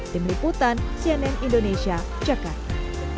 di meliputan cnn indonesia jakarta